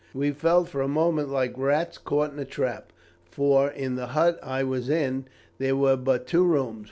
We felt for a moment like rats caught in a trap, for, in the hut I was in, there were but two rooms.